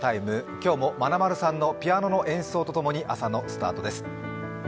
今日もまなまるさんのピアノの演奏と共に朝のスタートです。